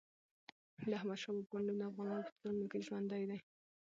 د احمد شاه بابا نوم د افغانانو په زړونو کې ژوندی دی.